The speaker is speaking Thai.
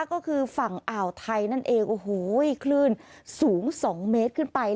ก็คือฝั่งอ่าวไทยนั่นเองโอ้โหคลื่นสูง๒เมตรขึ้นไป